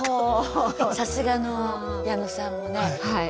さすがの矢野さんもね。